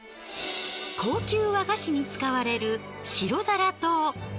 高級和菓子に使われる白双糖。